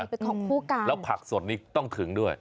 คือของผู้กลางแล้วผักสดนี่ต้องถึงด้วย